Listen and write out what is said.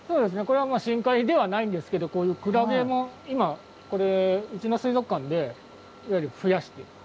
これは深海ではないんですけどこういうクラゲも今うちの水族館で増やしてる。